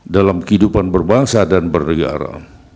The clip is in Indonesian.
dalam kehidupan berbangsa dan bernegara